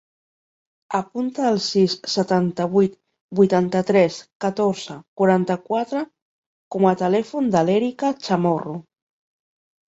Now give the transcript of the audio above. Apunta el sis, setanta-vuit, vuitanta-tres, catorze, quaranta-quatre com a telèfon de l'Erika Chamorro.